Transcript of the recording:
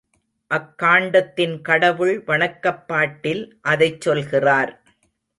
அக்காண்டத்தின் கடவுள் வணக்கப்பாட்டில் அதைச் சொல்கிறார்.